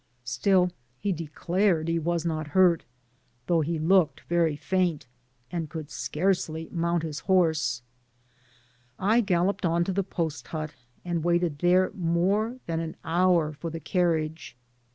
Still he declared he was not hurt, though he looked very faint, and could scarcely mount his Digitized byGoogk xnn PAMPAS. 99 horse, I galloped on to the post hut* and waited there more than an hour for the carriage.